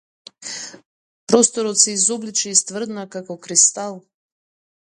Просторот се изобличи и стврдна како кристал.